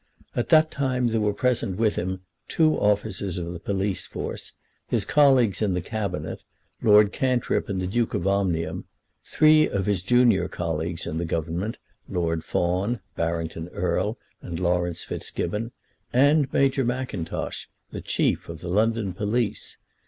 At that time there were present with him two officers of the police force, his colleagues in the Cabinet, Lord Cantrip and the Duke of Omnium, three of his junior colleagues in the Government, Lord Fawn, Barrington Erle, and Laurence Fitzgibbon, and Major Mackintosh, the chief of the London police.